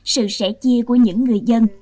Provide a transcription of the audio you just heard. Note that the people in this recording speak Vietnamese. sự sẻ chia của những người dân